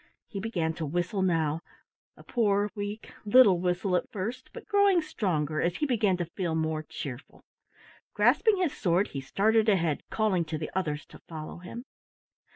He began to whistle now, a poor, weak, little whistle at first, but growing stronger as he began to feel more cheerful. Grasping his sword, he started ahead, calling to the others to follow him.